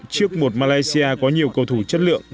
trước một malaysia có nhiều cầu thủ chất lượng